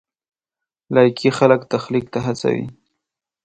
لایکي خلک تخلیق ته هڅوي.